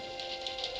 itu tugasmu raden